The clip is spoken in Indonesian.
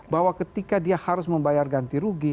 bahwa ketika dia harus membayar ganti rugi